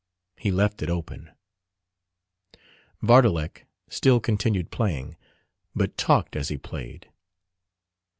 He left it open. Vardalek still continued playing, but talked as he played.